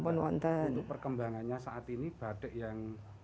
untuk perkembangannya saat ini batik yang